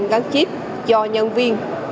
gắn chip cho nhân viên